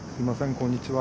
こんにちは。